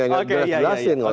nggak jelasin waktu itu